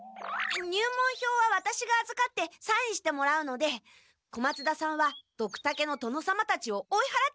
入門票はワタシがあずかってサインしてもらうので小松田さんはドクタケの殿様たちを追いはらってください。